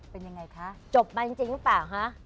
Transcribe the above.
เป็นยังไงคะจบมาจริงหรือเปล่าคะ